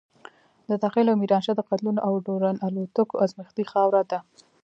دته خېل او ميرانشاه د قتلونو او ډرون الوتکو ازمايښتي خاوره ده.